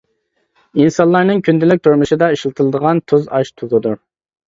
ئىنسانلارنىڭ كۈندىلىك تۇرمۇشىدا ئىشلىتىلىدىغان تۇز ئاش تۇزىدۇر.